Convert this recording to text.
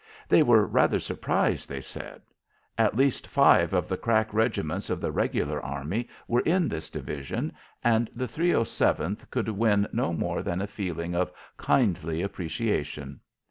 They were rather surprised, they said. At least five of the crack regiments of the regular army were in this division, and the 307th could win no more than a feeling of kindly appreciation.